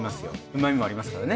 旨みもありますからね。